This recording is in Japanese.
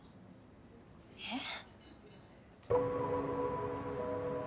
えっ？